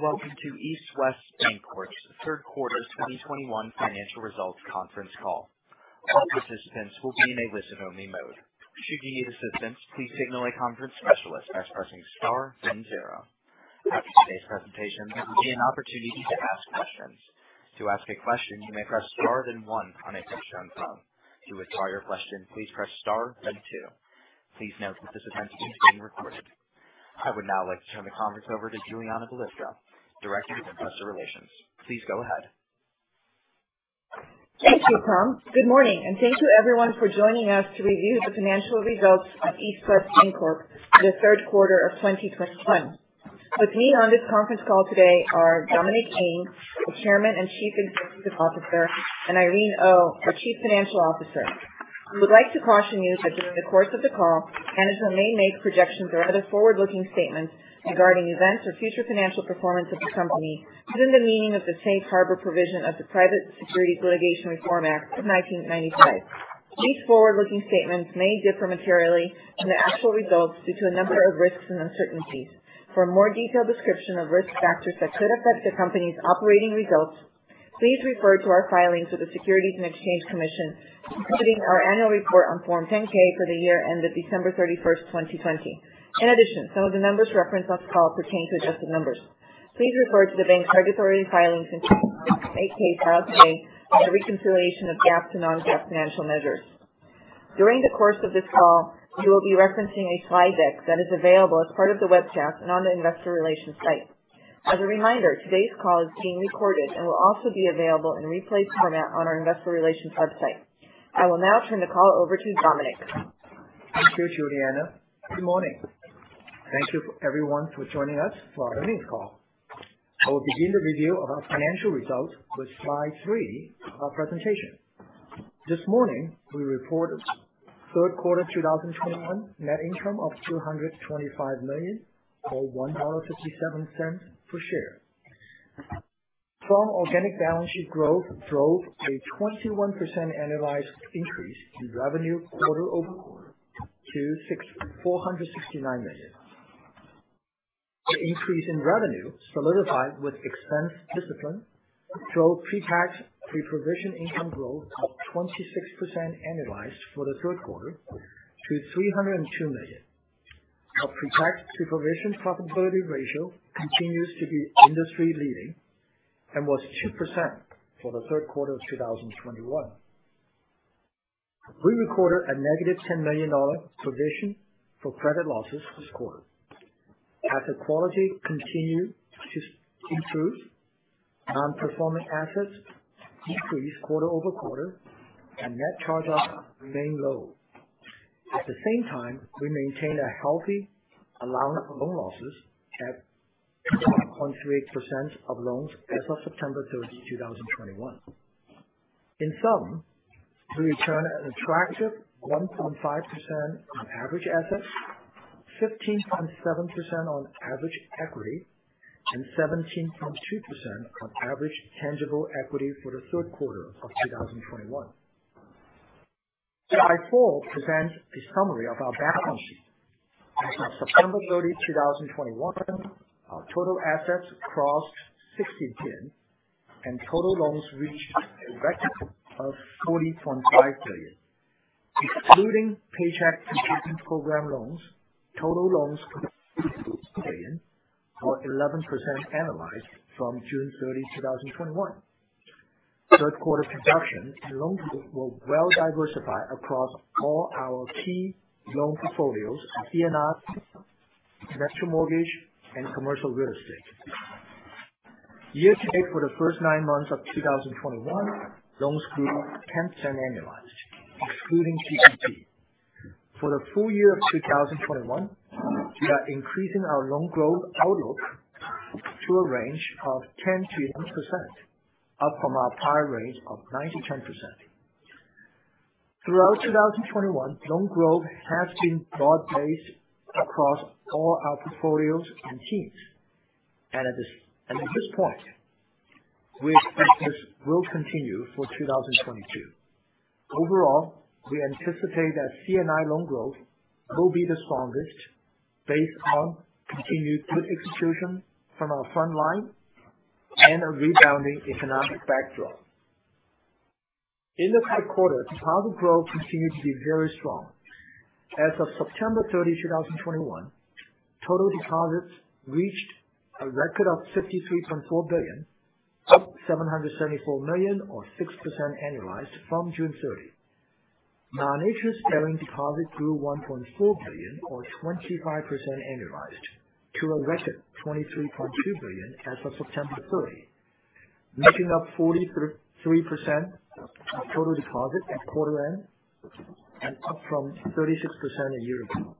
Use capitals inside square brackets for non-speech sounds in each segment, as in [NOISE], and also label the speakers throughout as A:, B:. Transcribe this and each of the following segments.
A: Good day, and welcome to East West Bancorp's third quarter 2021 financial results conference call. All participants will be in a listen-only mode. Should you need assistance, please signal a conference specialist by pressing star then zero. After today's presentation, there will be an opportunity to ask questions. To ask a question, you may press star then one on a touch-tone phone. To withdraw your question, please press star then two. Please note that this event is being recorded. I would now like to turn the conference over to Julianna Balicka, Director of Investor Relations. Please go ahead.
B: Thank you, Tom. Good morning, and thank you everyone for joining us to review the financial results of East West Bancorp for the third quarter of 2021. With me on this conference call today are Dominic Ng, the Chairman and Chief Executive Officer, and Irene Oh, our Chief Financial Officer. We would like to caution you that during the course of the call, management may make projections or other forward-looking statements regarding events or future financial performance of the company within the meaning of the Safe Harbor provision of the Private Securities Litigation Reform Act of 1995. These forward-looking statements may differ materially from the actual results due to a number of risks and uncertainties. For a more detailed description of risk factors that could affect the company's operating results, please refer to our filings with the Securities and Exchange Commission, including our annual report on Form 10-K for the year ended December 31st, 2020. In addition, some of the numbers referenced on this call pertain to adjusted numbers. Please refer to the bank's regulatory filings, including Form 8-K filing for the reconciliation of GAAP to non-GAAP financial measures. During the course of this call, we will be referencing a slide deck that is available as part of the webcast and on the investor relations site. As a reminder, today's call is being recorded and will also be available in replay format on our investor relations website. I will now turn the call over to Dominic.
C: Thank you, Julianna. Good morning. Thank you everyone for joining us for our earnings call. I will begin the review of our financial results with slide three of our presentation. This morning, we reported third quarter 2021 net income of $225 million or $1.57 per share. Strong organic balance sheet growth drove a 21% annualized increase in revenue quarter-over-quarter to $469 million. The increase in revenue solidified with expense discipline drove pre-tax, pre-provision income growth of 26% annualized for the third quarter to $302 million. Our pre-tax to provision profitability ratio continues to be industry-leading and was 2% for the third quarter of 2021. We recorded a negative $10 million provision for credit losses this quarter. Asset quality continued to improve. Non-performing assets decreased quarter-over-quarter, and net charge-offs remain low. At the same time, we maintain a healthy allowance for loan losses at 1.3% of loans as of September 30, 2021. In sum, we return an attractive 1.5% on average assets, 15.7% on average equity, and 17.2% on average tangible equity for the third quarter of 2021. Slide four presents a summary of our balance sheet. As of September 30, 2021, our total assets crossed $60 billion and total loans reached a record of $40.5 billion. Excluding Paycheck Protection Program loans, total loans grew to $38 billion or 11% annualized from June 30, 2021. Third quarter production and loans were well diversified across all our key loan portfolios, C&I, residential mortgage, and Commercial Real Estate. Year to date for the first nine months of 2021, loans grew 10% annualized, excluding PPP. For the full year of 2021, we are increasing our loan growth outlook to a range of 10%-11%, up from our prior range of 9%-10%. Throughout 2021, loan growth has been broad-based across all our portfolios and teams. At this point, we expect this will continue for 2022. Overall, we anticipate that C&I loan growth will be the strongest based on continued good execution from our front line and a rebounding economic backdrop. In the third quarter, deposit growth continued to be very strong. As of September 30, 2021, total deposits reached a record of $53.4 billion, up $774 million or 6% annualized from June 30. Non-interest bearing deposits grew $1.4 billion or 25% annualized to a record $23.2 billion as of September 30, making up 43% of total deposits at quarter end and up from 36% a year ago.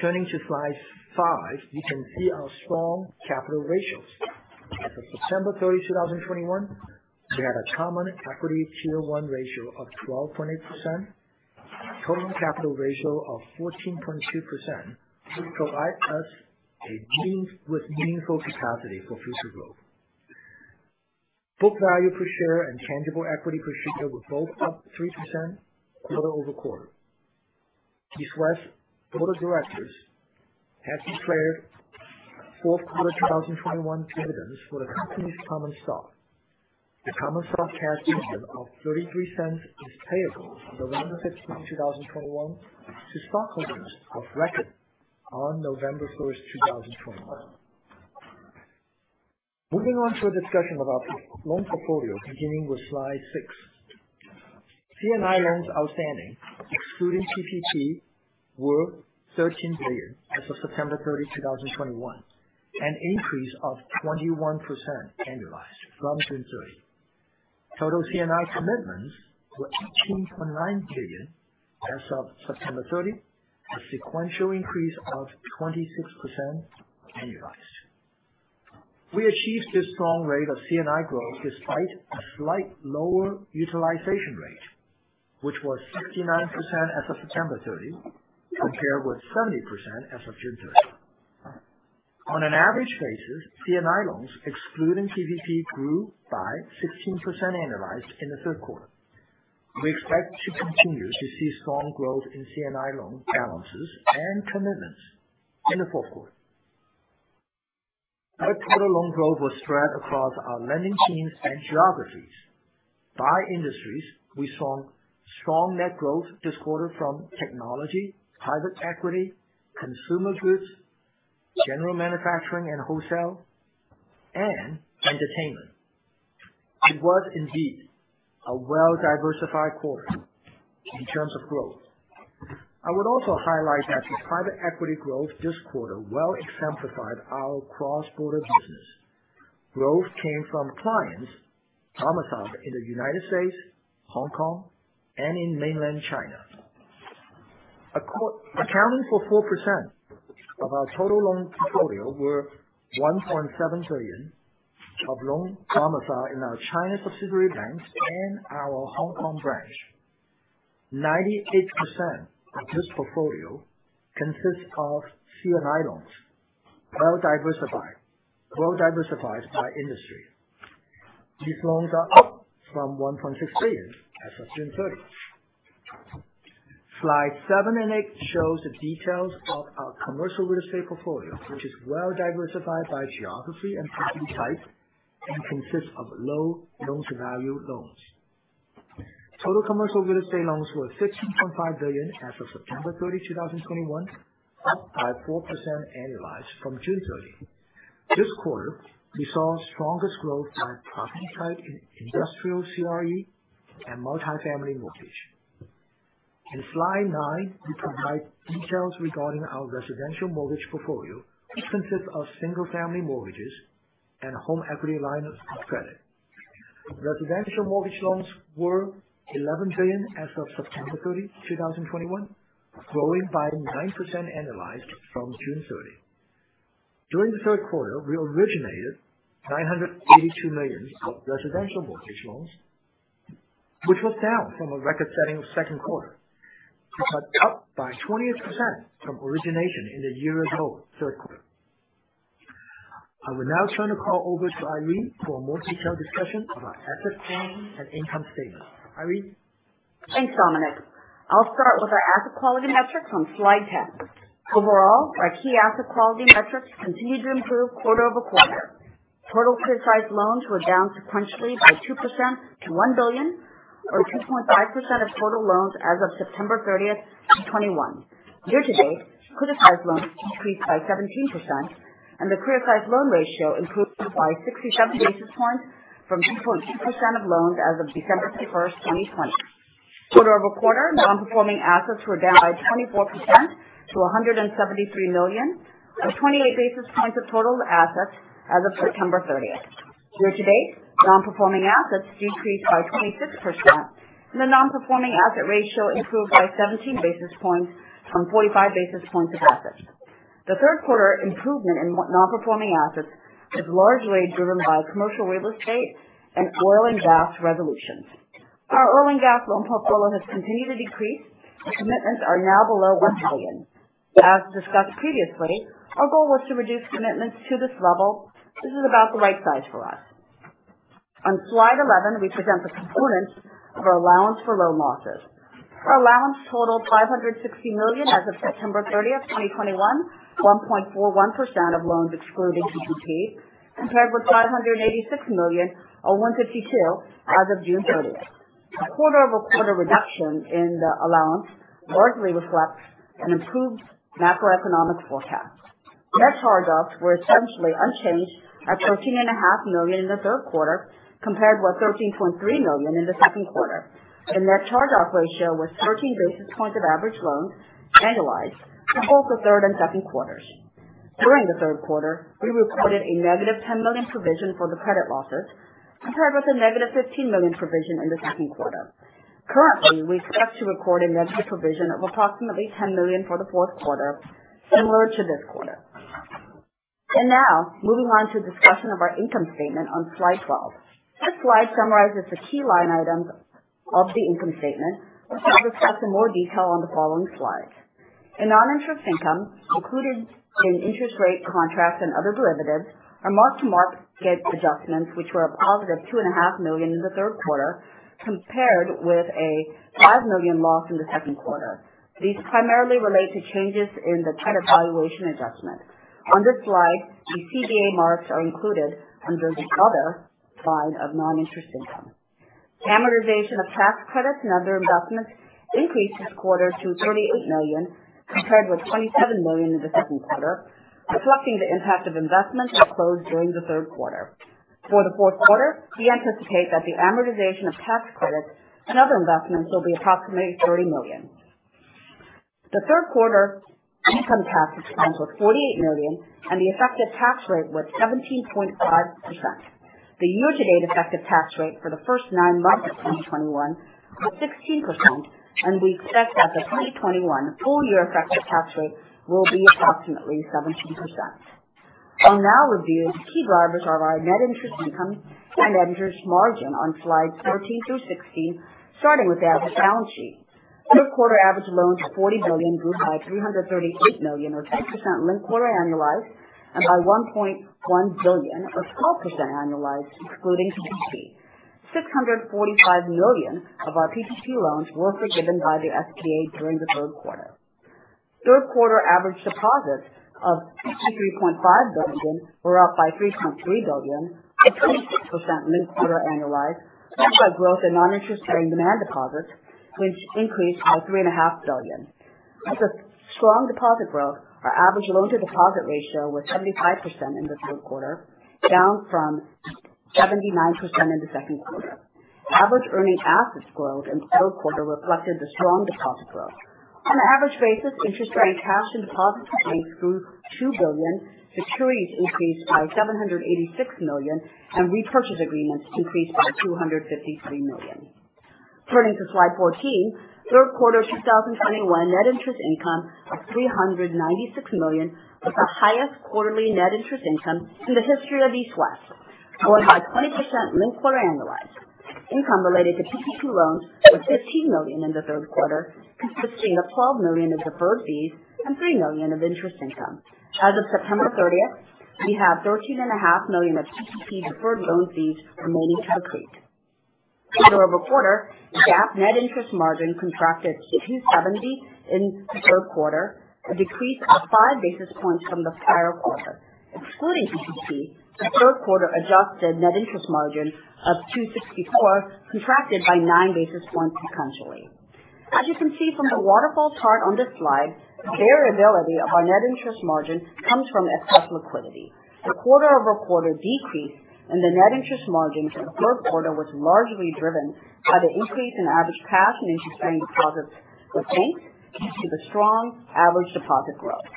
C: Turning to slide five, you can see our strong capital ratios. As of December 30, 2021, we had a Common Equity Tier 1 ratio of 12.8%, total capital ratio of 14.2%, which provides us with meaningful capacity for future growth. Book value per share and tangible equity per share were both up 3% quarter-over-quarter. East West Board of Directors has declared fourth quarter 2021 dividends for the company's common stock. The common stock cash dividend of $0.33 is payable on November 15, 2021, to stockholders of record on November 1st, 2021. Moving on to a discussion of our loan portfolio, beginning with slide six. C&I loans outstanding, excluding PPP, were $13 billion as of September 30, 2021, an increase of 21% annualized from June 30. Total C&I commitments were $18.9 billion as of September 30, a sequential increase of 26% annualized. We achieved this strong rate of C&I growth despite a slight lower utilization rate, which was 59% as of September 30, compared with 70% as of June 30. On an average basis, C&I loans, excluding PPP, grew by 16% annualized in the third quarter. We expect to continue to see strong growth in C&I loan balances and commitments in the fourth quarter. Our total loan growth was spread across our lending teams and geographies. By industries, we saw strong net growth this quarter from technology, private equity, consumer goods, general manufacturing and wholesale, and entertainment. It was indeed a well-diversified quarter in terms of growth. I would also highlight that the private equity growth this quarter well exemplified our cross-border business. Growth came from clients' domiciles in the U.S., Hong Kong, and in mainland China. Accounting for 4% of our total loan portfolio were $1.7 billion of loan domicile in our China subsidiary banks and our Hong Kong branch. 98% of this portfolio consists of C&I loans, well diversified by industry. These loans are up from $1.6 billion as of June 30. Slide seven and eight shows the details of our commercial real estate portfolio, which is well diversified by geography and property type and consists of low loan-to-value loans. Total commercial real estate loans were $16.5 billion as of September 30, 2021, up by 4% annualized from June 30. This quarter, we saw strongest growth by property type in industrial CRE and multi-family mortgage. In slide nine, we provide details regarding our residential mortgage portfolio, which consists of single-family mortgages and home equity lines of credit. Residential mortgage loans were $11 billion as of September 30, 2021, growing by 9% annualized from June 30. During the third quarter, we originated $982 million of residential mortgage loans, which was down from a record-setting second quarter, but up by 20% from origination in the year-ago third quarter. I will now turn the call over to Irene for a more detailed discussion of our asset quality and income statement. Irene?
D: Thanks, Dominic. I'll start with our asset quality metrics on slide 10. Overall, our key asset quality metrics continued to improve quarter-over-quarter. Total criticized loans were down sequentially by 2% to $1 billion, or 2.5% of total loans as of September 30th, 2021. Year to date, criticized loans increased by 17%, and the criticized loan ratio improved by 60 basis points from 2.2% of loans as of December 31st, 2020. Quarter-over-quarter, non-performing assets were down by 24% to $173 million, or 28 basis points of total assets as of September 30th. Year to date, non-performing assets decreased by 26%, and the non-performing asset ratio improved by 17 basis points on 45 basis points of assets. The third quarter improvement in non-performing assets is largely driven by commercial real estate and oil and gas resolutions. Our oil and gas loan portfolio has continued to decrease, and commitments are now below $1 billion. As discussed previously, our goal was to reduce commitments to this level. This is about the right size for us. On slide 11, we present the components of our allowance for loan losses. Our allowance totaled $560 million as of September 30th, 2021, 1.41% of loans excluding, [AUDIO DISTORTION] compared with $586 million, or 1.52% as of June 30th. A quarter-over-quarter reduction in the allowance largely reflects an improved macroeconomic forecast. Net charge-offs were essentially unchanged at $13.5 million in the third quarter, compared with $13.3 million in the second quarter. The net charge-off ratio was 13 basis points of average loans annualized for both the third and second quarters. During the third quarter, we recorded a negative $10 million provision for the credit losses, compared with a negative $15 million provision in the second quarter. Currently, we expect to record a negative provision of approximately $10 million for the fourth quarter, similar to this quarter. Now, moving on to a discussion of our income statement on slide 12. This slide summarizes the key line items of the income statement, which I'll discuss in more detail on the following slides. In non-interest income, included in interest rate contracts and other derivatives, our mark-to-market adjustments, which were a positive $2.5 million in the third quarter compared with a $5 million loss in the second quarter. These primarily relate to changes in the credit valuation adjustment. On this slide, the CVA marks are included under the other side of non-interest income. Amortization of tax credits and other investments increased this quarter to $38 million, compared with $27 million in the second quarter, reflecting the impact of investments that closed during the third quarter. For the fourth quarter, we anticipate that the amortization of tax credits and other investments will be approximately $30 million. The third quarter income tax expense was $48 million, and the effective tax rate was 17.5%. The year-to-date effective tax rate for the first nine months of 2021 was 16%, and we expect that the 2021 full year effective tax rate will be approximately 17%. I'll now review the key drivers of our net interest income and net interest margin on slides 14 through 16, starting with the average balance sheet. Third quarter average loans of $40 billion grew by $338 million or 6% linked quarter annualized and by $1.1 billion or 12% annualized, excluding PPP. $645 million of our PPP loans were forgiven by the SBA during the third quarter. Third quarter average deposits of $53.5 billion were up by $3.3 billion or 26% linked quarter annualized, driven by growth in non-interest-bearing demand deposits, which increased by $3.5 billion. With the strong deposit growth, our average loan-to-deposit ratio was 75% in the third quarter, down from 79% in the second quarter. Average earning assets growth in the third quarter reflected the strong deposit growth. On an average basis, interest-bearing cash and deposit accounts grew $2 billion, securities increased by $786 million, and repurchase agreements increased by $253 million. Turning to slide 14. Third quarter 2021 net interest income of $396 million was the highest quarterly net interest income in the history of East West, and went by 20% linked quarter annualized. Income related to PPP loans was $15 million in the third quarter, consisting of $12 million of deferred fees and $3 million of interest income. As of September 30th, we have $13.5 million of PPP deferred loan fees remaining to accrue. Quarter-over-quarter, GAAP net interest margin contracted to 270 in the third quarter, a decrease of 5 basis points from the prior quarter. Excluding PPP, the third quarter adjusted net interest margin of 264 contracted by 9 basis points sequentially. As you can see from the waterfall chart on this slide, variability of our net interest margin comes from excess liquidity. The quarter-over-quarter decrease in the net interest margin for the third quarter was largely driven by the increase in average cash and interest-bearing deposits with banks due to the strong average deposit growth.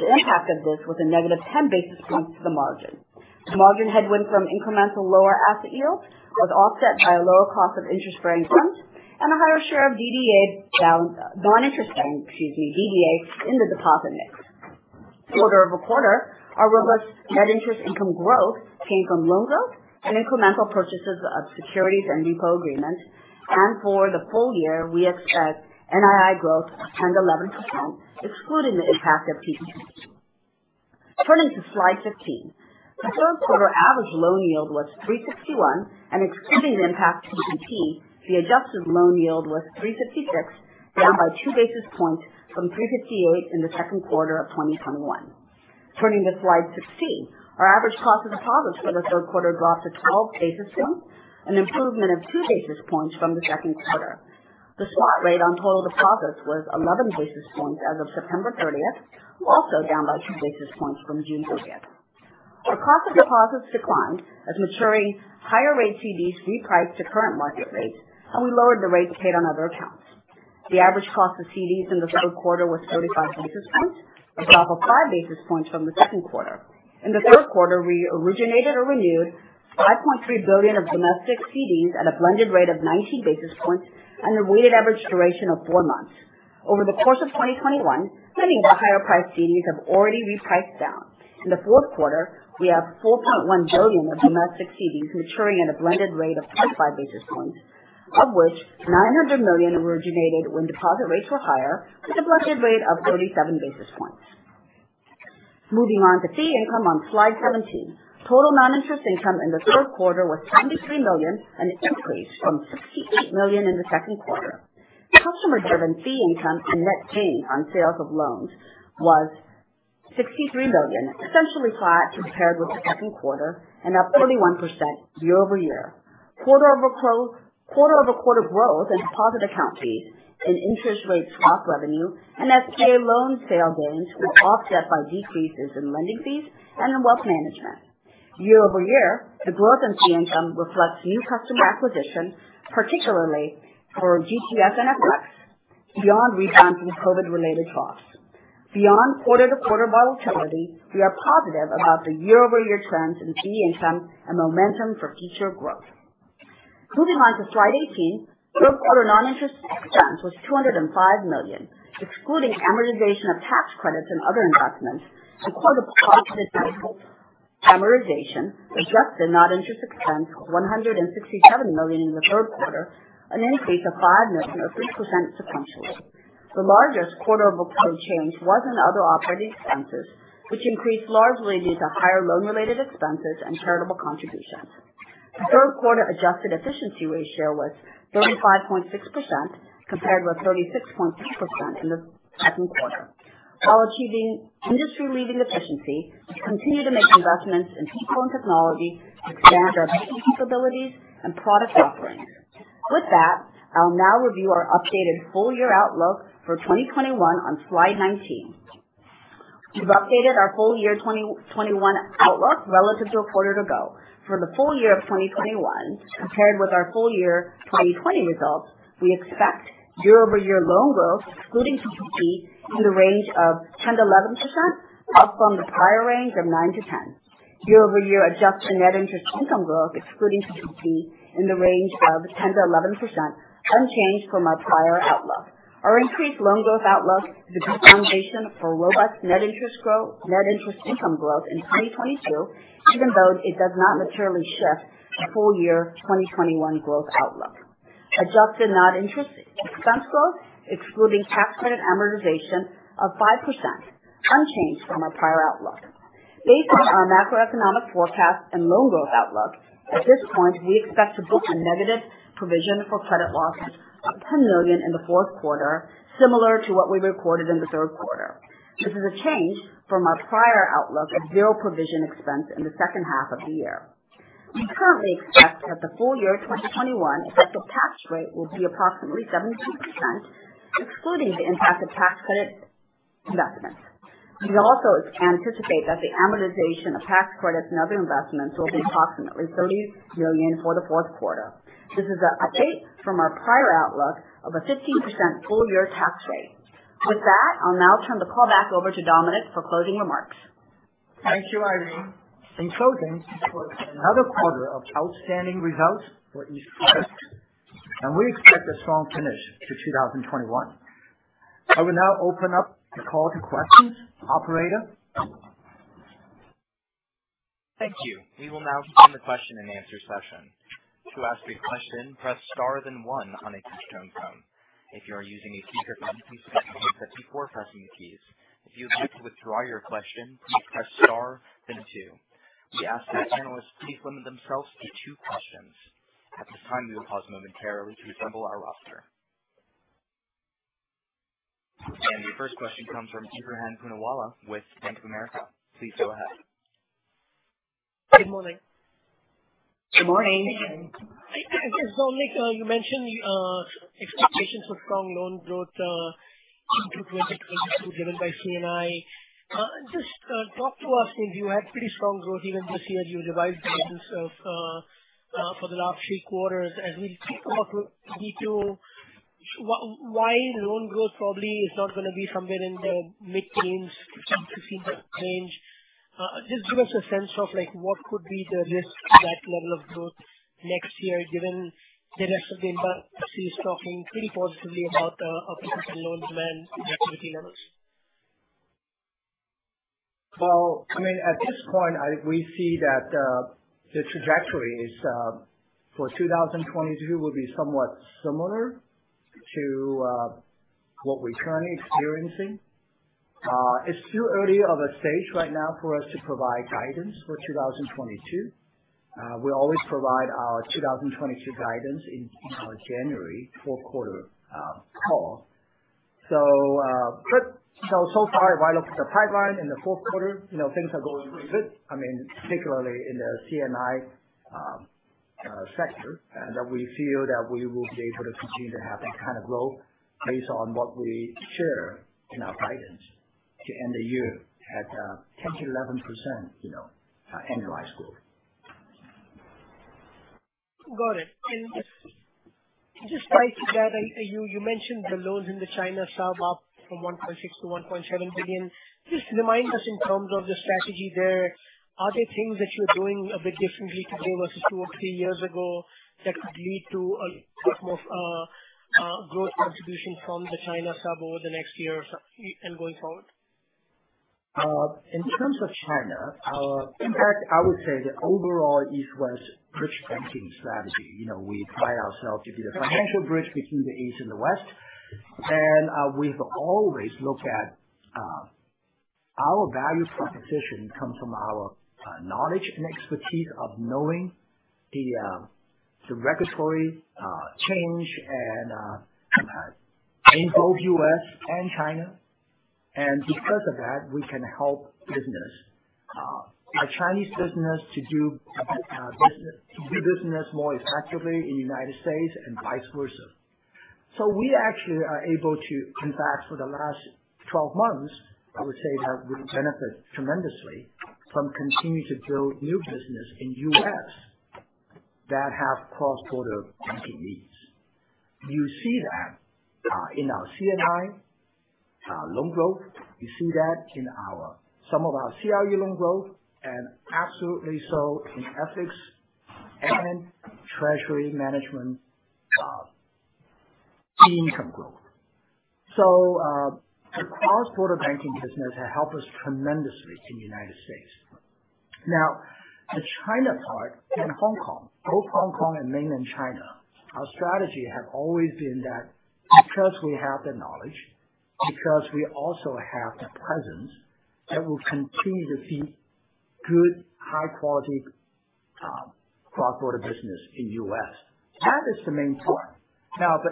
D: The impact of this was a negative 10 basis points to the margin. The margin headwind from incremental lower asset yield was offset by a lower cost of interest-bearing funds and a higher share of non-interest-bearing, excuse me, DDA in the deposit mix. Quarter-over-quarter, our robust NII growth came from loan growth and incremental purchases of securities and repo agreements, and for the full year, we expect NII growth of 10% to 11%, excluding the impact of PPP. Turning to slide 15. The third quarter average loan yield was 3.61%, and excluding the impact of PPP, the adjusted loan yield was 3.56%, down by 2 basis points from 3.58% in the second quarter of 2021. Turning to slide 16. Our average cost of deposits for the third quarter dropped to 12 basis points, an improvement of 2 basis points from the second quarter. The spot rate on total deposits was 11 basis points as of September 30th, also down by 2 basis points from June 30th. Our cost of deposits declined as maturing higher rate CDs repriced to current market rates, and we lowered the rates paid on other accounts. The average cost of CDs in the third quarter was 35 basis points, a drop of 5 basis points from the second quarter. In the third quarter, we originated or renewed $5.3 billion of domestic CDs at a blended rate of 90 basis points and a weighted average duration of four months. Over the course of 2021, many of our higher priced CDs have already repriced down. In the fourth quarter, we have $4.1 billion of domestic CDs maturing at a blended rate of 25 basis points, of which $900 million originated when deposit rates were higher at a blended rate of 37 basis points. Moving on to fee income on slide 17. Total non-interest income in the third quarter was $73 million, an increase from $68 million in the second quarter. Customer-driven fee income and net gains on sales of loans was $63 million, essentially flat compared with the second quarter and up 41% year-over-year. Quarter-over-quarter growth in deposit account fees and interest rate swap revenue and SBA loan sale gains were offset by decreases in lending fees and in wealth management. Year-over-year, the growth in fee income reflects new customer acquisition, particularly for GTS and FX, beyond rebounds from COVID-related costs. Beyond quarter-to-quarter volatility, we are positive about the year-over-year trends in fee income and momentum for future growth. Moving on to slide 18. Third quarter non-interest expense was $205 million. Excluding amortization of tax credits and other investments, Amortization, adjusted non-interest expense, $167 million in the third quarter, an increase of $5 million or 3% sequentially. The largest quarter-over-quarter change was in other operating expenses, which increased largely due to higher loan-related expenses and charitable contributions. The third quarter adjusted efficiency ratio was 35.6%, compared with 36.3% in the second quarter. While achieving industry-leading efficiency, we continue to make investments in people and technology to expand our banking capabilities and product offerings. With that, I'll now review our updated full year outlook for 2021 on slide 19. We've updated our full year 2021 outlook relative to a quarter ago. For the full year of 2021 compared with our full year 2020 results, we expect year-over-year loan growth excluding PPP in the range of 10%-11%, up from the prior range of 9%-10%. Year-over-year adjusted net interest income growth excluding PPP in the range of 10%-11%, unchanged from our prior outlook. Our increased loan growth outlook is a good foundation for robust net interest income growth in 2022, even though it does not materially shift the full year 2021 growth outlook. Adjusted non-interest expense growth excluding tax credit amortization of 5%, unchanged from our prior outlook. Based on our macroeconomic forecast and loan growth outlook, at this point, we expect to book a negative provision for credit losses of $10 million in the fourth quarter, similar to what we recorded in the third quarter. This is a change from our prior outlook of zero provision expense in the second half of the year. We currently expect that the full year 2021 effective tax rate will be approximately 17%, excluding the impact of tax credit investments. We also anticipate that the amortization of tax credits and other investments will be approximately $30 million for the fourth quarter. This is an update from our prior outlook of a 15% full year tax rate. With that, I'll now turn the call back over to Dominic for closing remarks.
C: Thank you, Irene. In closing, it was another quarter of outstanding results for East West, and we expect a strong finish to 2021. I will now open up the call to questions. Operator?
A: Thank you. We will now begin the question and answer session. To ask a question, press star then one on a touch-tone phone. If you are using a speakerphone, please mute it before pressing the keys. If you would like to withdraw your question, please press star then two. We ask that analysts please limit themselves to two questions. At this time, we will pause momentarily to assemble our roster. Your first question comes from Ebrahim Poonawala with Bank of America. Please go ahead.
E: Good morning.
D: Good morning.
E: I guess, Dominic, you mentioned the expectations for strong loan growth in 2022 driven by C&I. Just talk to us. You had pretty strong growth even this year. You revised guidance for the last three quarters. As we think about 2022, why loan growth probably is not going to be somewhere in the mid-single to single % range. Just give us a sense of what could be the risk to that level of growth next year, given the rest of the industry is talking pretty positively about potential loan demand and activity levels.
C: At this point, we see that the trajectory for 2022 will be somewhat similar to what we're currently experiencing. It's too early of a stage right now for us to provide guidance for 2022. We always provide our 2022 guidance in our January fourth quarter call. If I look at the pipeline in the fourth quarter, things are going pretty good. Particularly in the C&I sector, that we feel that we will be able to continue to have that kind of growth based on what we share in our guidance to end the year at 10%-11% annualized growth.
E: Got it. Just tied to that, you mentioned the loans in the China sub up from $1.6-$1.7 billion. Remind us in terms of the strategy there, are there things that you're doing a bit differently today versus two or three years ago that could lead to a type of growth contribution from the China sub over the next year and going forward?
C: In terms of China, in fact, I would say the overall East West bridge banking strategy. We pride ourselves to be the financial bridge between the East and the West. We've always looked at our value proposition comes from our knowledge and expertise of knowing the regulatory change in both U.S. and China. Because of that, we can help business. A Chinese business to do business more effectively in the United States and vice versa. We actually are able to, in fact, for the last 12 months, I would say have benefited tremendously from continuing to build new business in U.S. that have cross-border banking needs. You see that in our C&I loan growth. You see that in some of our CRE loan growth, and absolutely so in FX and treasury management income growth. The cross-border banking business has helped us tremendously in the United States. The China part and Hong Kong, both Hong Kong and Mainland China, our strategy has always been that because we have the knowledge, because we also have the presence, that we'll continue to see good high-quality cross-border business in the U.S. That is the main part.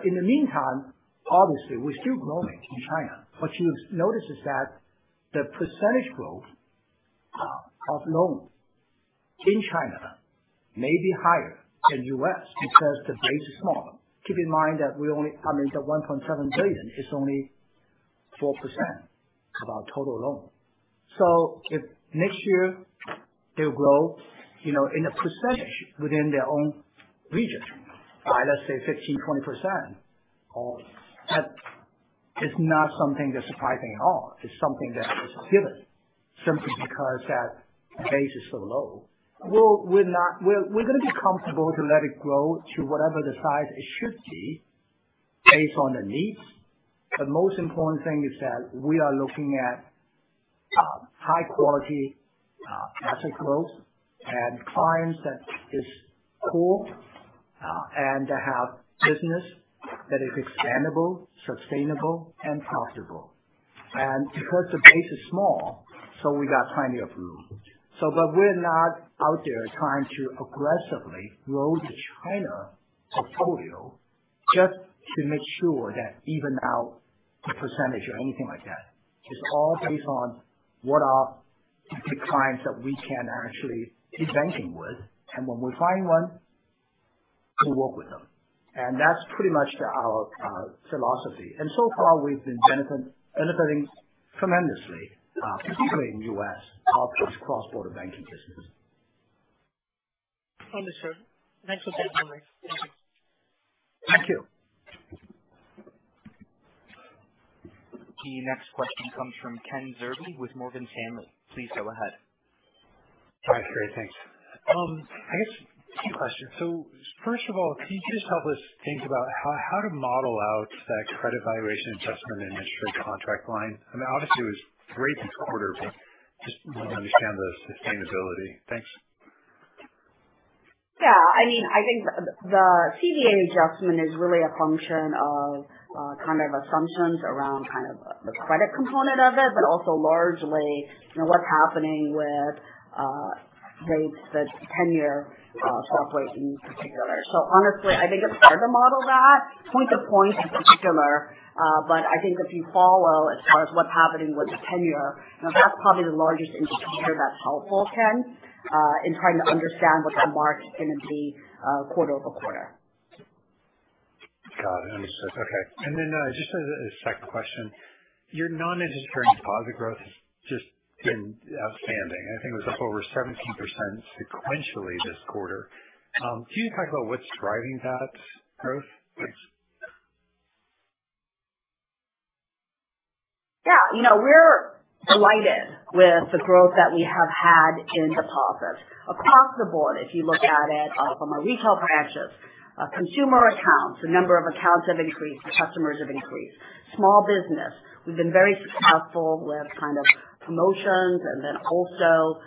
C: In the meantime, obviously, we're still growing in China. What you notice is that the percentage growth of loans in China may be higher than U.S. because the base is small. Keep in mind that the $1.7 billion is only 4% of our total loan. If next year they'll grow in a percentage within their own region by, let's say, 15%, 20%, that is not something that's surprising at all. It's something that is given simply because that base is so low. We're going to be comfortable to let it grow to whatever the size it should be based on the needs. The most important thing is that we are looking at high-quality asset growth and clients that is core and that have business that is expandable, sustainable, and profitable. Because the base is small, we got plenty of room. We're not out there trying to aggressively grow the China portfolio just to make sure that even out the percentage or anything like that. It's all based on what are the clients that we can actually do banking with. When we find one, we work with them. That's pretty much our philosophy. So far, we've been benefiting tremendously, particularly in U.S., our cross-border banking business.
E: Understood. Thanks for that summary. Thank you.
D: Thank you.
A: The next question comes from Ken Zerbe with Morgan Stanley. Please go ahead.
F: Hi, Terry. Thanks. I guess two questions. First of all, can you just help us think about how to model out that Credit Valuation Adjustment and interest rate contract line? I mean, obviously, it was great this quarter. Just want to understand the sustainability. Thanks.
D: Yeah. I think the CVA adjustment is really a function of assumptions around the credit component of it, but also largely what's happening with rates, the 10-year swap rate in particular. Honestly, I think it's hard to model that point to point in particular. I think if you follow as far as what's happening with the 10-year, now that's probably the largest indicator that's helpful, Ken, in trying to understand what that mark is going to be quarter-over-quarter.
F: Got it. Understood. Okay. Just as a second question, your non-interest-bearing deposit growth has just been outstanding. I think it was up over 17% sequentially this quarter. Can you talk about what's driving that growth? Thanks.
D: Yeah. We're delighted with the growth that we have had in deposits. Across the board, if you look at it from a retail branches, consumer accounts, the number of accounts have increased, the customers have increased. Small business, we've been very successful with promotions and then also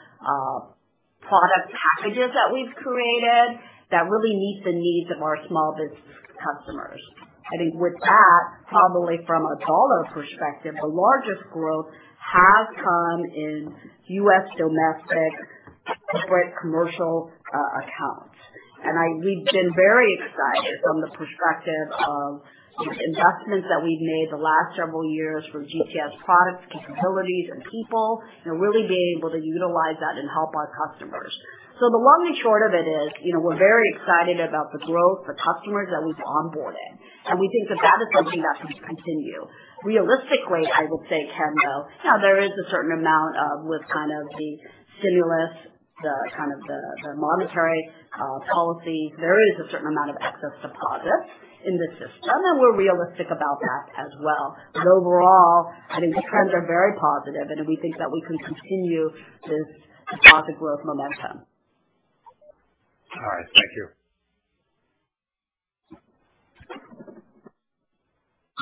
D: product packages that we've created that really meet the needs of our small business customers. I think with that, probably from a dollar perspective, the largest growth has come in U.S. domestic corporate commercial accounts. We've been very excited from the perspective of the investments that we've made the last several years from GTS products, capabilities, and people, and really being able to utilize that and help our customers. The long and short of it is, we're very excited about the growth, the customers that we've onboarded, and we think that that is something that can continue. Realistically, I would say, Ken, though, there is a certain amount of with kind of the stimulus, the monetary policy, there is a certain amount of excess deposits in the system, and we're realistic about that as well. Overall, I think the trends are very positive, and we think that we can continue this deposit growth momentum.
F: All right. Thank you.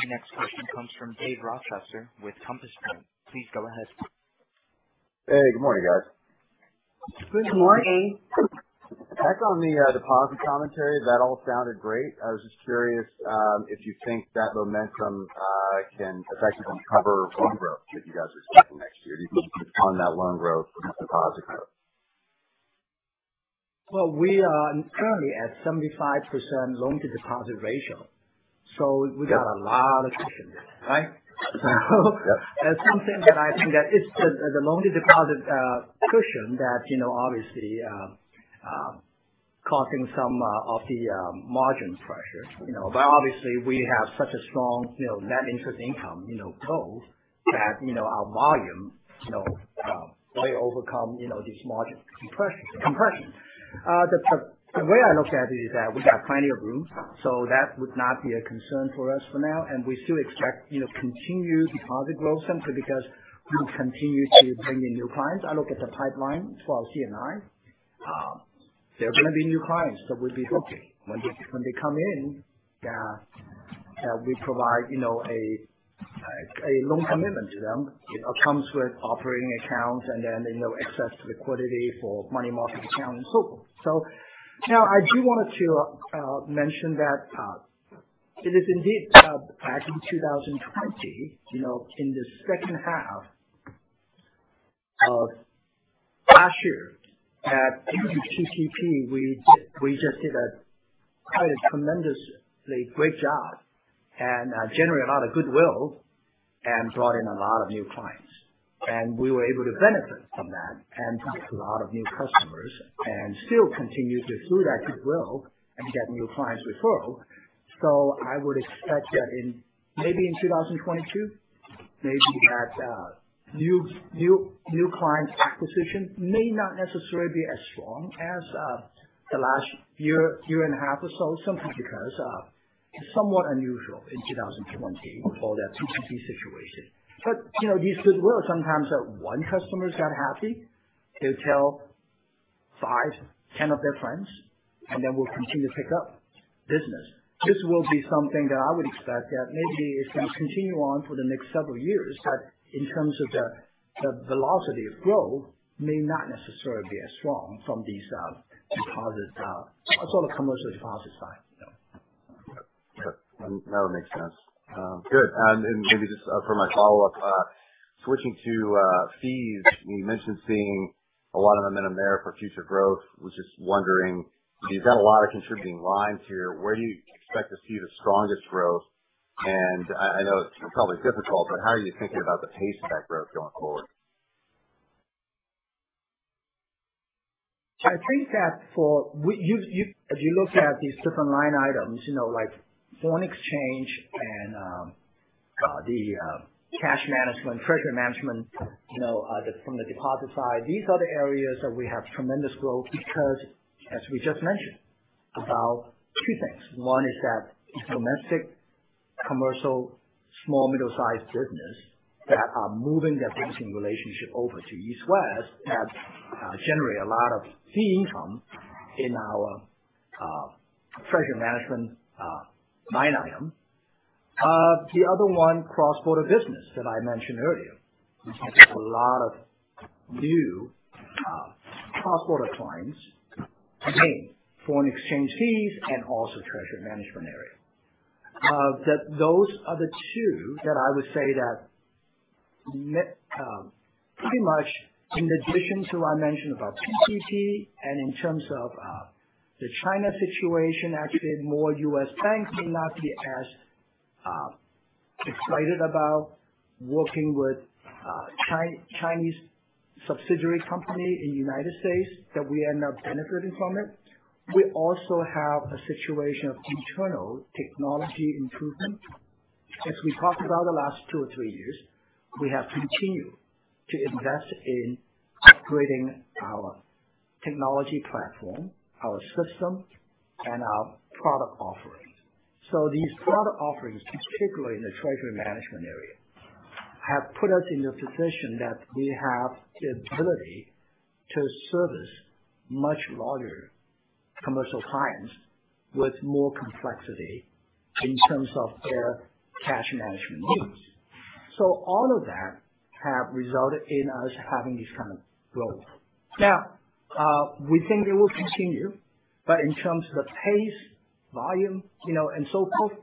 A: The next question comes from Dave Rochester with Compass Point. Please go ahead.
G: Hey, good morning, guys.
D: Good morning.
G: Back on the deposit commentary. That all sounded great. I was just curious if you think that momentum can effectively cover loan growth that you guys are expecting next year. Do you think you can depend on that loan growth and deposit growth?
C: Well, we are currently at 75% loan-to-deposit ratio. We got a lot of cushion there, right?
G: Yeah.
C: It's something that I think that it's the loan-to-deposit cushion that obviously causing some of the margin pressure. Obviously, we have such a strong net interest income total that our volume will overcome this margin compression. The way I look at it is that we got plenty of room. That would not be a concern for us for now, and we still expect continued deposit growth simply because we will continue to bring in new clients. I look at the pipeline for C&I. There are going to be new clients that will be looking. When they come in, we provide a loan commitment to them. It comes with operating accounts and then access to liquidity for money market accounts and so forth. Now, I do want to mention that it is indeed back in 2020, in the second half of last year, due to PPP, we just did a tremendously great job and generated a lot of goodwill and brought in a lot of new clients. We were able to benefit from that and get a lot of new customers and still continue to, through that goodwill, get new clients referral. I would expect that maybe in 2022, maybe that new client acquisition may not necessarily be as strong as the last year and a half or so, simply because it's somewhat unusual in 2020 for that PPP situation. You said, well, sometimes one customer is that happy, they'll tell 5-10 of their friends, and then we'll continue to pick up business. This will be something that I would expect that maybe is going to continue on for the next several years, but in terms of the velocity of growth may not necessarily be as strong from the commercial deposit side.
G: Sure. That would make sense. Good. Maybe just for my follow-up, switching to fees, you mentioned seeing a lot of momentum there for future growth. Was just wondering, you've got a lot of contributing lines here. Where do you expect to see the strongest growth? I know it's probably difficult, but how are you thinking about the pace of that growth going forward?
C: I think that if you look at these different line items, like foreign exchange and the cash management, treasury management from the deposit side, these are the areas that we have tremendous growth because, as we just mentioned, about two things. One is that domestic commercial small, middle-sized business that are moving their banking relationship over to East West has generated a lot of fee income in our treasury management line item. The other one, cross-border business that I mentioned earlier, which has a lot of new cross-border clients paying foreign exchange fees and also treasury management area. Those are the two that I would say that pretty much in addition to what I mentioned about PPP and in terms of the China situation, actually, more U.S. banks may not be as excited about working with Chinese subsidiary company in United States that we end up benefiting from it. We also have a situation of internal technology improvement. As we talked about the last two or three years, we have continued to invest in upgrading our technology platform, our system, and our product offerings. These product offerings, particularly in the treasury management area, have put us in the position that we have the ability to service much larger commercial clients with more complexity in terms of their cash management needs. All of that have resulted in us having this kind of growth. Now, we think it will continue, but in terms of the pace, volume, and so forth,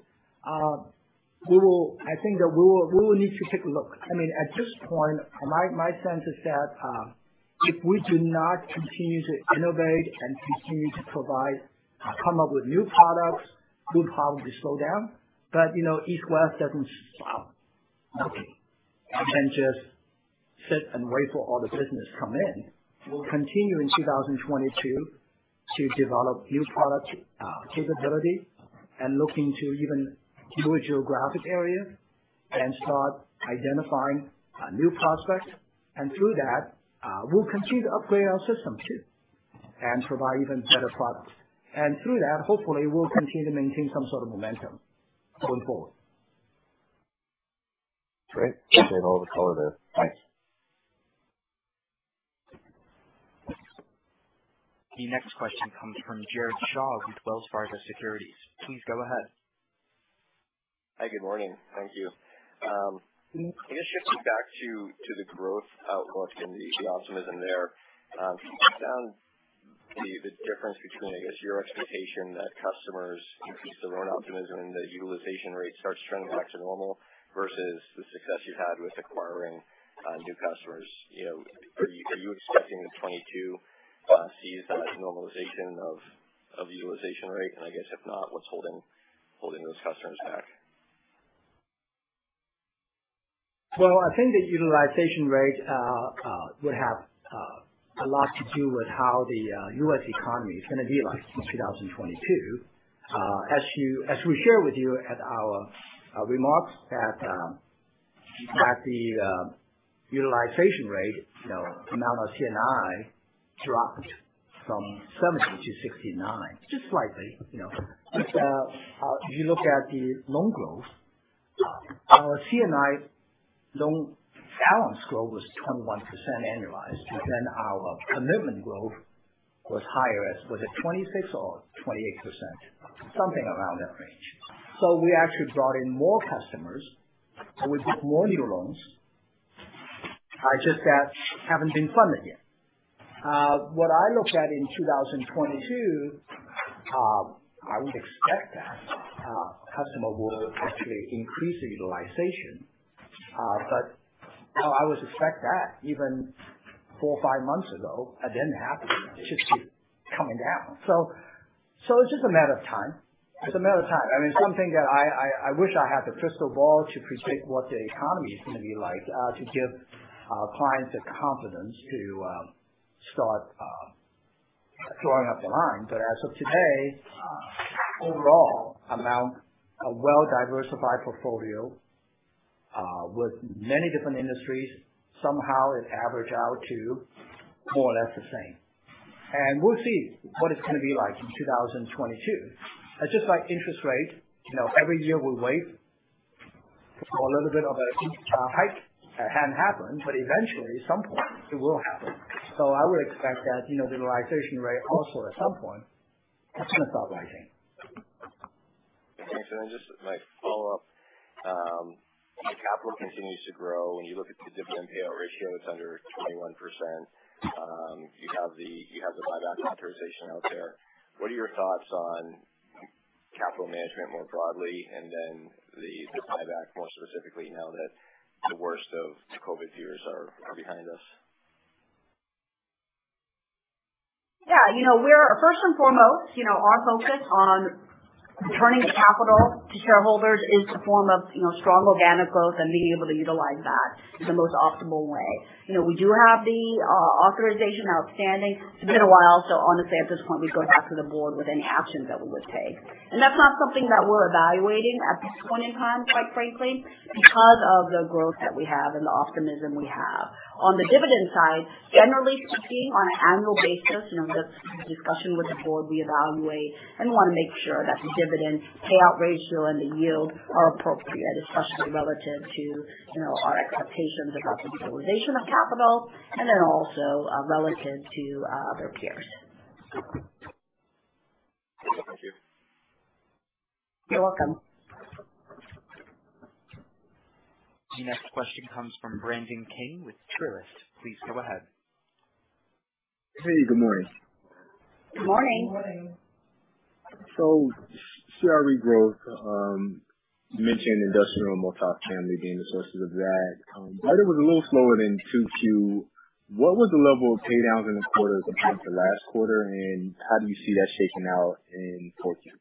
C: I think that we will need to take a look. At this point, my sense is that if we do not continue to innovate and continue to provide or come up with new products, we'll probably slow down. East West doesn't stop, okay? We can't just sit and wait for all the business come in. We'll continue in 2022 to develop new product capability and look into even newer geographic areas and start identifying new prospects. Through that, we'll continue to upgrade our systems too and provide even better products. Through that, hopefully, we'll continue to maintain some sort of momentum going forward.
G: Great. That's all the color there. Thanks.
A: The next question comes from Jared Shaw with Wells Fargo Securities. Please go ahead.
H: Hi, good morning. Thank you. Just shifting back to the growth outlook and the optimism there. Can you break down the difference between, I guess, your expectation that customers increase their own optimism and the utilization rate starts trending back to normal versus the success you've had with acquiring new customers? Are you expecting 2022 to see the normalization of the utilization rate? I guess if not, what's holding those customers back?
C: Well, I think the utilization rate will have a lot to do with how the U.S. economy is going to be like in 2022. As we share with you at our remarks that the utilization rate, amount of C&I dropped from 70 to 69, just slightly. If you look at the loan growth. Our C&I loan balance growth was 21% annualized, and then our commitment growth was higher. Was it 26% or 28%? Something around that range. We actually brought in more customers with more new loans, just that haven't been funded yet. What I look at in 2022, I would expect that customer will actually increase utilization. I would expect that even four or five months ago, it didn't happen. It's just keep coming down. It's just a matter of time. I wish I had the crystal ball to predict what the economy is going to be like to give our clients the confidence to start drawing up the line. As of today, overall amount, a well-diversified portfolio, with many different industries, somehow it average out to more or less the same. We'll see what it's going to be like in 2022. It's just like interest rate. Every year we wait for a little bit of a hike. It hadn't happened, but eventually, at some point, it will happen. I would expect that utilization rate also, at some point, it's going to start rising.
H: Thanks. Just my follow-up. As the capital continues to grow, when you look at the dividend payout ratio, it is under 21%. You have the buyback authorization out there. What are your thoughts on capital management more broadly, and then the buyback more specifically, now that the worst of the COVID fears are behind us?
D: Yeah. First and foremost, our focus on returning the capital to shareholders is to form a strong organic growth and being able to utilize that in the most optimal way. We do have the authorization outstanding. It's been a while, so honestly, at this point, we'd go back to the board with any actions that we would take. That's not something that we're evaluating at this point in time, quite frankly, because of the growth that we have and the optimism we have. On the dividend side, generally speaking, on an annual basis, the discussion with the board we evaluate and we want to make sure that the dividend payout ratio and the yield are appropriate, especially relative to our expectations about the utilization of capital and then also relative to other peers.
H: Thank you.
D: You're welcome.
A: The next question comes from Brandon King with Truist. Please go ahead.
I: Hey, good morning.
D: Good morning.
C: Good morning.
I: CRE growth, you mentioned industrial and multi-family being the sources of that. It was a little slower than Q2. What was the level of pay downs in the quarter compared to last quarter, and how do you see that shaking out in 4Q?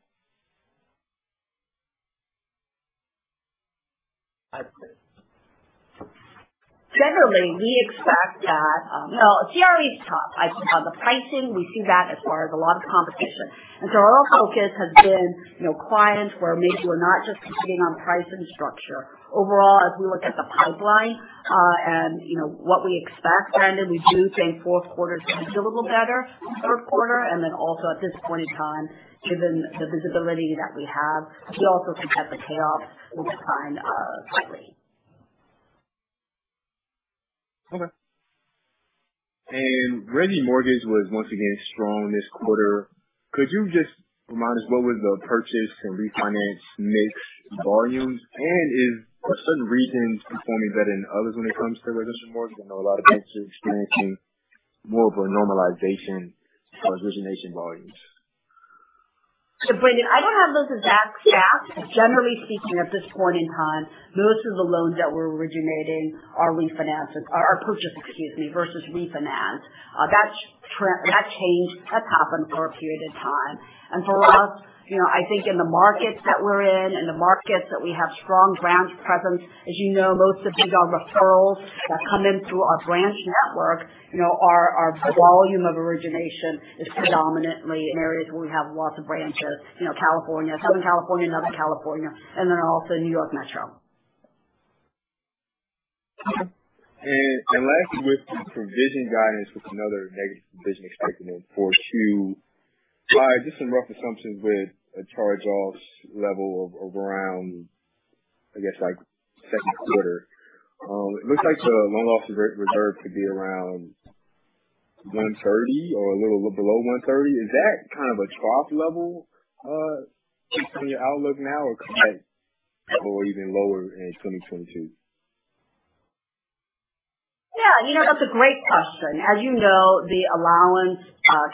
D: Generally, we expect CRE is tough. The pricing, we see that as far as a lot of competition. Our focus has been clients where maybe we're not just competing on price and structure. Overall, as we look at the pipeline, and what we expect, Brandon, we do think fourth quarter is going to be a little better than third quarter. Also at this point in time, given the visibility that we have, we also think that the payoff will decline slightly.
I: Okay. [Residential] mortgage was once again strong this quarter. Could you just remind us what was the purchase and refinance mix volumes? Are certain regions performing better than others when it comes to [residential] mortgage? I know a lot of banks are experiencing more of a normalization of origination volumes.
D: Brandon, I don't have those exact stats. Generally speaking, at this point in time, most of the loans that we're originating are purchase versus refinance. That change has happened for a period of time. For us, I think in the markets that we're in and the markets that we have strong branch presence, as you know, most of these are referrals that come in through our branch network. Our volume of origination is predominantly in areas where we have lots of branches. Southern California, Northern California, and then also New York Metro.
I: Okay. Lastly, with the provision guidance with another negative provision expected in 4Q, just some rough assumptions with a charge-offs level of around, I guess, second quarter, it looks like the loan loss reserve could be around 130 or a little below 130. Is that kind of a trough level based on your outlook now or could that go even lower in 2022?
D: Yeah. That's a great question. As you know, the allowance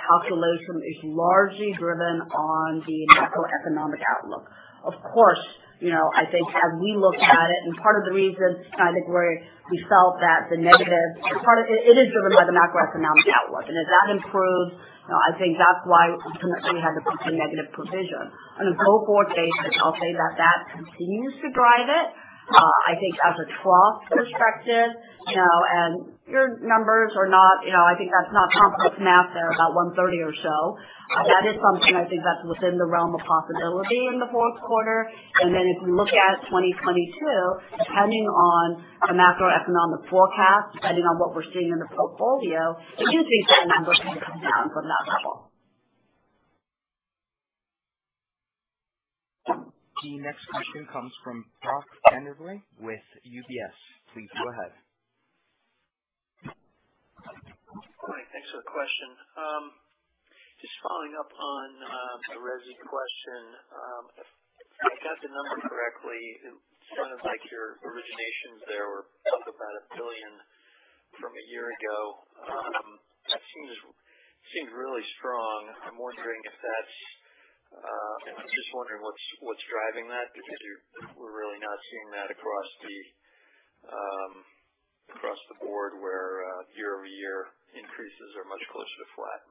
D: calculation is largely driven on the macroeconomic outlook. Of course, I think as we look at it and part of the reason, I think, where we felt it is driven by the macroeconomic outlook. As that improves, I think that's why initially we had the pretty negative provision. On a go-forward basis, I'll say that that continues to drive it. I think as a trough perspective, I think that's not complex math there, about 130 or so. That is something I think that's within the realm of possibility in the fourth quarter. If we look at 2022, depending on the macroeconomic forecast, depending on what we're seeing in the portfolio, it is reasonable the numbers may come down from that level.
A: The next question comes from Brock Vandervliet with UBS. Please go ahead.
J: All right. Thanks for the question. Just following up on a resi question. If I got the number correctly, it sounded like your originations there were up about $1 billion from a year ago. It seems really strong. I'm just wondering what's driving that because we're really not seeing that across the board where year-over-year increases are much closer to flat.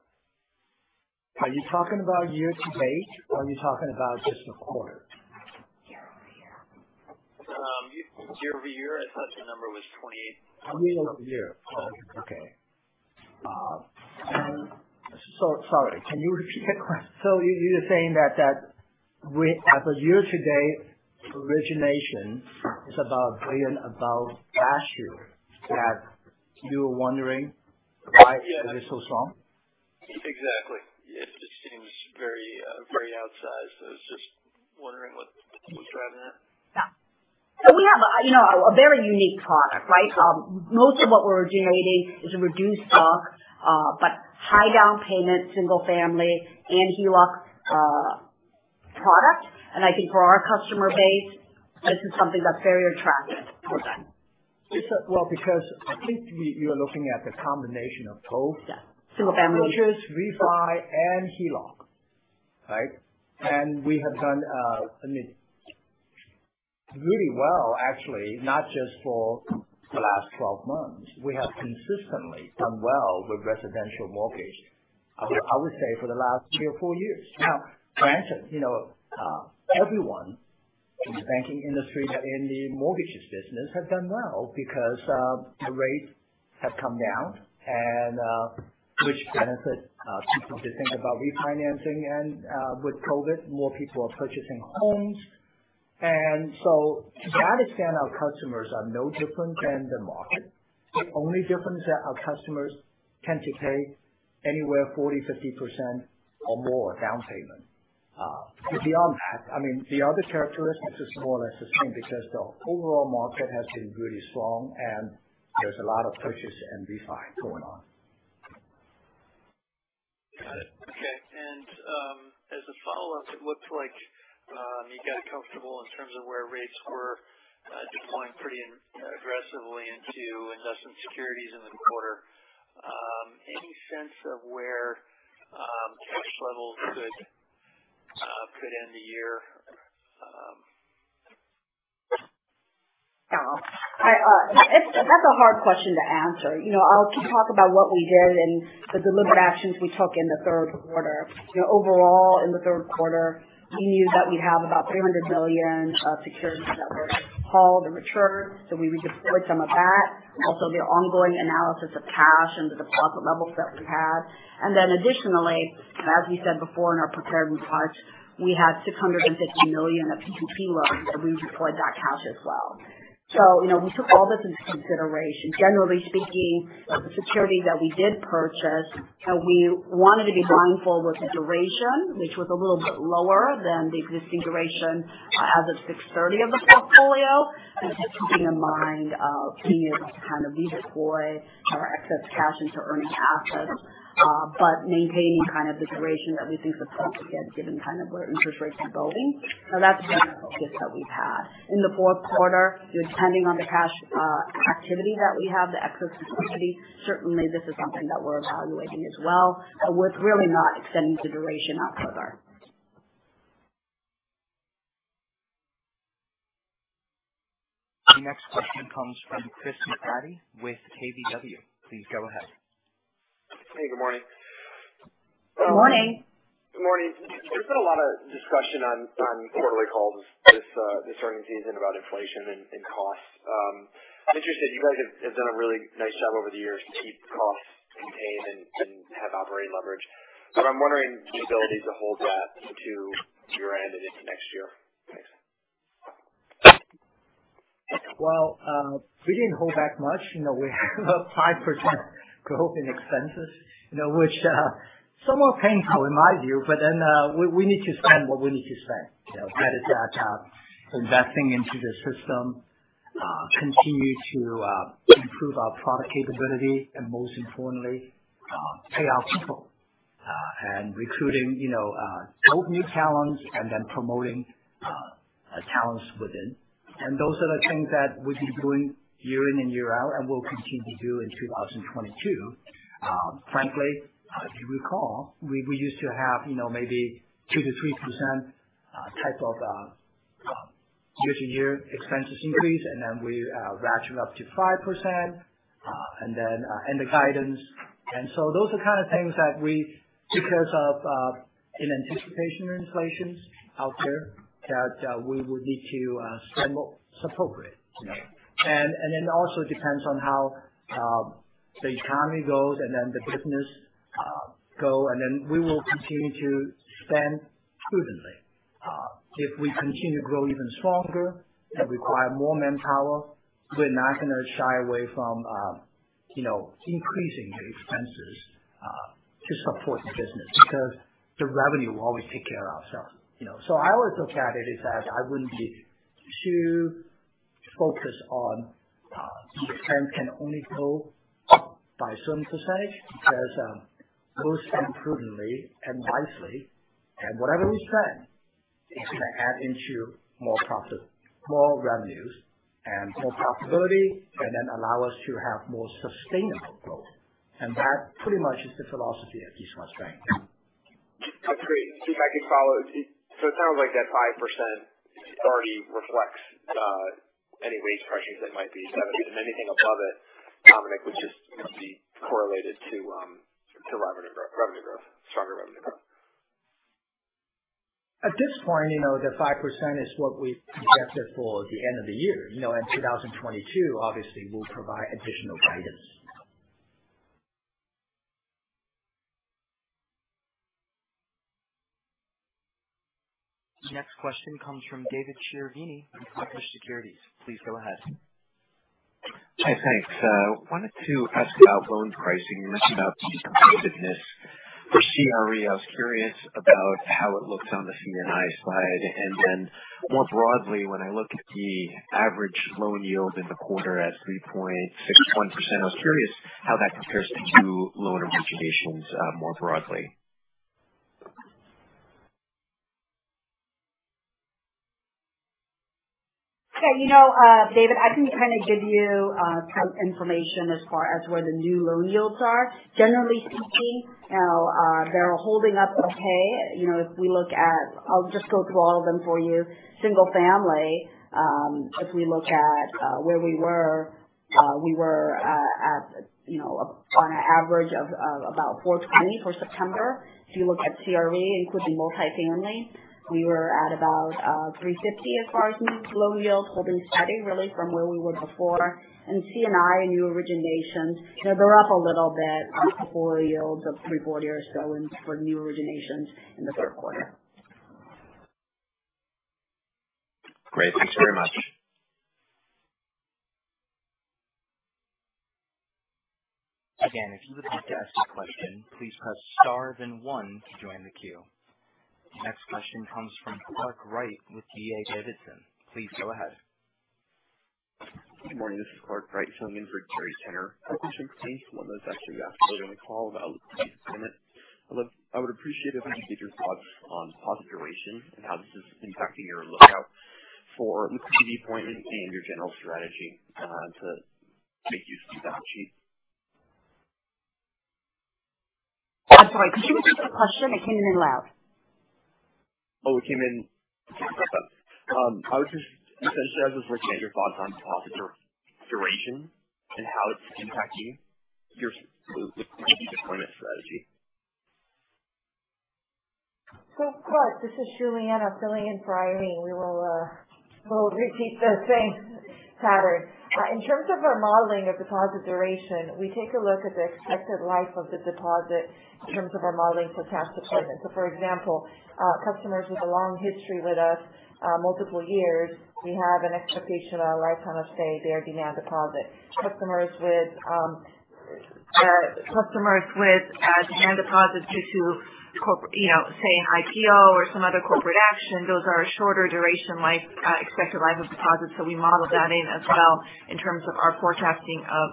C: Are you talking about year to date or are you talking about just the quarter?
J: Year-over-year. Year-over-year, I thought the number was.
C: Year over year. Oh, okay. Sorry, can you repeat the question?
J: You're saying that as of year-to-date, origination is about [$1 billion] above last year.
C: You were wondering why it is so strong?
J: Exactly. It just seems very outsized. I was just wondering what's driving that?
D: Yeah. We have a very unique product, right? Most of what we're generating is a reduced doc but high down payment, single-family, and HELOC product. I think for our customer base, this is something that's very attractive for them.
C: Well, because I think you're looking at the combination of both.
D: Yeah. Single-family.
C: Purchases, refi and HELOC, right? We have done really well actually, not just for the last 12 months. We have consistently done well with residential mortgage, I would say for the last three or four years now. Granted, everyone in the banking industry in the mortgages business have done well because the rates have come down which benefits people to think about refinancing. With COVID, more people are purchasing homes. To that extent, our customers are no different than the market. The only difference is that our customers tend to pay anywhere 40%, 50% or more down payment. Beyond that, the other characteristics are more or less the same because the overall market has been really strong and there's a lot of purchase and refi going on.
J: Got it. Okay. As a follow-up, it looks like you got comfortable in terms of where rates were deploying pretty aggressively into investment securities in the quarter. Any sense of where cash levels could end the year?
D: That's a hard question to answer. I'll talk about what we did and the deliberate actions we took in the third quarter. Overall in the third quarter, we knew that we'd have about $300 million of securities that were called and matured. We redeployed some of that, also the ongoing analysis of cash and the deposit levels that we had. Additionally, as we said before in our prepared remarks, we had $650 million of PPP loans that redeployed that cash as well. We took all this into consideration. Generally speaking, the securities that we did purchase, we wanted to be mindful with the duration, which was a little bit lower than the existing duration as of 630 of the portfolio, just keeping in mind, we need to redeploy our excess cash into earning assets but maintaining the duration that we think is appropriate given where interest rates are going. That's been the focus that we've had. In the fourth quarter, depending on the cash activity that we have, the excess liquidity, certainly this is something that we're evaluating as well with really not extending the duration out further.
A: The next question comes from Chris McGratty with KBW. Please go ahead.
K: Hey, good morning.
D: Morning.
K: Good morning. There's been a lot of discussion on quarterly calls this earnings season about inflation and cost. I'm interested, you guys have done a really nice job over the years to keep costs contained and have operating leverage. I'm wondering your ability to hold that into year end and into next year. Thanks.
C: Well, we didn't hold back much. We have a 5% growth in expenses which are somewhat painful in my view. We need to spend what we need to spend. Whether that's investing into the system, continue to improve our product capability, and most importantly, pay our people and recruiting both new talents and then promoting talents within. Those are the things that we've been doing year in and year out and will continue to do in 2022. Frankly, if you recall, we used to have maybe 2%-3% type of year-to-year expenses increase, we ratcheted up to 5% in the guidance. Those are kind of things that because in anticipation of inflation out there that we will need to spend what's appropriate. It also depends on how the economy goes and then the business go, and then we will continue to spend prudently. If we continue to grow even stronger and require more manpower, we're not going to shy away from increasing the expenses to support the business because the revenue will always take care of ourselves. I always look at it as I wouldn't be too focused on the expense can only go by so much percentage because those spend prudently and wisely, and whatever we spend is going to add into more revenues and more profitability, and then allow us to have more sustainable growth. That pretty much is the philosophy at East West Bank.
K: Great. See if I can follow. It sounds like that 5% already reflects any wage pressures that might be stemming and anything above it, Dominic, would just be correlated to stronger revenue growth.
C: At this point, the 5% is what we've projected for the end of the year. In 2022, obviously, we'll provide additional guidance.
A: Next question comes from David Chiaverini from Wedbush Securities. Please go ahead.
L: Hey, thanks. Wanted to ask about loan pricing. You mentioned about fee competitiveness for CRE. I was curious about how it looks on the C&I side. More broadly, when I look at the average loan yield in the quarter at 3.61%, I was curious how that compares to new loan originations more broadly.
D: Okay. David, I can give you some information as far as where the new loan yields are. Generally speaking, they're holding up okay. I'll just go through all of them for you. Single-family, if we look at where we were, we were at an average of about 420 for September. If you look at CRE, including multifamily, we were at about 350 as far as new loan yields holding steady really from where we were before. In C&I and new originations, they're up a little bit, forward yields of 340 or so for new originations in the third quarter.
L: Great. Thanks very much.
A: Again, if you would like to ask a question, please press star then one to join the queue. Next question comes from Clark Wright with D.A. Davidson. Please go ahead.
M: Good morning. This is Clark Wright filling in for Gary Tenner. I was wondering, one of those questions you asked earlier in the call about liquidity and sentiment. I would appreciate it if you could give your thoughts on deposit duration and how this is impacting your lookout for liquidity deployment and your general strategy to make use of the balance sheet.
D: I'm sorry, could you repeat the question? It came in loud.
M: Oh, it came in. Essentially I was looking at your thoughts on deposit duration and how it's impacting your liquidity deployment strategy.
B: Clark, this is Julianna filling in for Irene. We'll repeat the same pattern. In terms of our modeling of deposit duration, we take a look at the expected life of the deposit in terms of our modeling for cash deployment. For example, customers with a long history with us, multiple years, we have an expectation or a lifetime of their demand deposit. Customers with demand deposits due to say an IPO or some other corporate action, those are shorter duration expected life of deposits. We model that in as well in terms of our forecasting of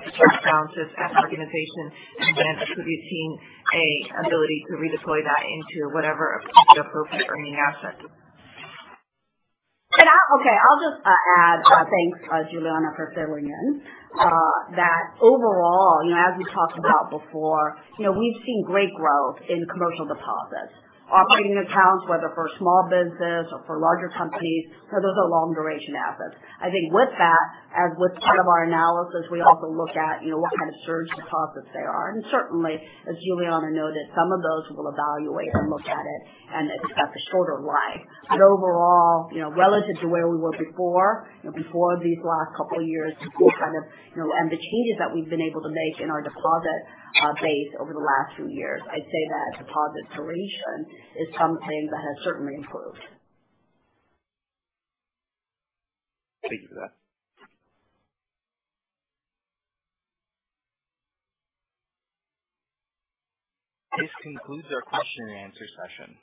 B: balances and organization and then attributing a ability to redeploy that into whatever appropriate earning assets.
D: Okay. I'll just add. Thanks, Julianna, for filling in. That overall, as we talked about before, we've seen great growth in commercial deposits. Operating accounts, whether for small business or for larger companies, those are long duration assets. I think with that, as with part of our analysis, we also look at what kind of surge deposits they are. And certainly, as Julianna noted, some of those we'll evaluate and look at it and it's got the shorter life. But overall, relative to where we were before these last couple of years and the changes that we've been able to make in our deposit base over the last few years, I'd say that deposit duration is something that has certainly improved.
M: Thank you for that.
A: This concludes our question and answer session.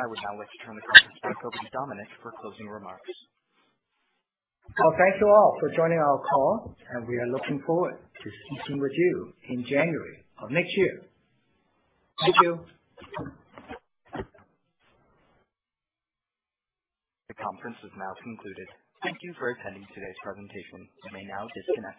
A: I would now like to turn the conference back over to Dominic for closing remarks.
C: Well, thank you all for joining our call, and we are looking forward to speaking with you in January of next year. Thank you.
A: The conference is now concluded. Thank you for attending today's presentation. You may now disconnect your-